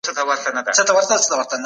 غړي پر نويو قوانينو رايه ورکوي.